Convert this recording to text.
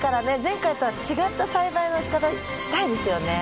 前回とは違った栽培のしかたしたいですよね。